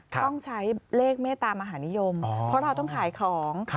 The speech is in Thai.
ต้องใช้เลขเมตตามหานิยมเพราะเราต้องขายของ